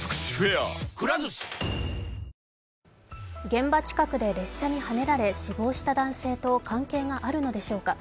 現場近くで列車にはねられ死亡した男性と関係があるのでしょうか。